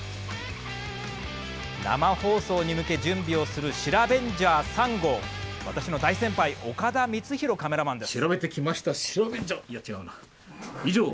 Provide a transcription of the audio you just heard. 生放送に向け準備をするシラベンジャー３号私の大先輩岡田光弘カメラマンです。